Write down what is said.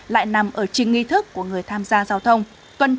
lại nằm ở trình nghi thức của người tham gia giao thông tuân thủ chấp hành pháp luật